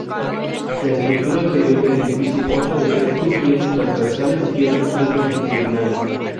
La estructura interior del edificio consta de tres crujías transversales y otras tres longitudinales.